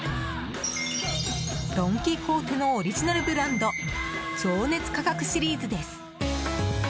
ドン・キホーテのオリジナルブランド情熱価格シリーズです。